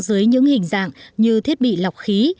dưới những hình dạng như thiết bị lọc khí